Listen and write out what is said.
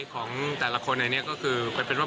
คุณพิชาขออีกบางนโยบายได้ไหมครับ